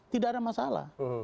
tidak ada masalah